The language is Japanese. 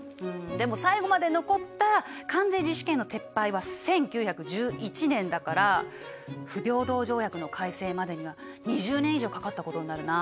でも最後まで残った関税自主権の撤廃は１９１１年だから不平等条約の改正までには２０年以上かかったことになるな。